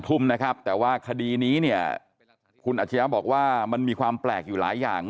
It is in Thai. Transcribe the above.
ทุ่มนะครับแต่ว่าคดีนี้เนี่ยคุณอัชยะบอกว่ามันมีความแปลกอยู่หลายอย่าง